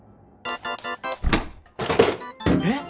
えっ？